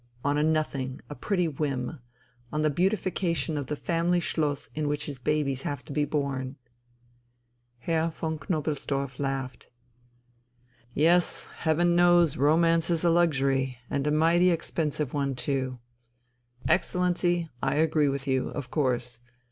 On a nothing, a pretty whim, on the beautification of the family schloss in which his babies have to be born...." Herr von Knobelsdorff laughed. "Yes, Heaven knows romance is a luxury, and a mighty expensive one too! Excellency, I agree with you of course.